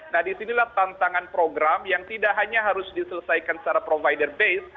nah disinilah tantangan program yang tidak hanya harus diselesaikan secara provider base